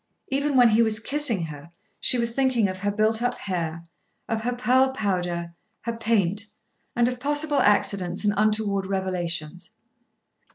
Even when he was kissing her she was thinking of her built up hair, of her pearl powder, her paint, and of possible accidents and untoward revelations.